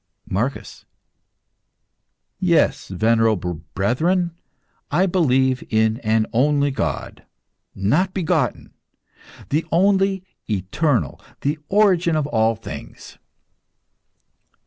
MARCUS. Yes, venerable brethren, I believe in an only God, not begotten the only Eternal, the origin of all things.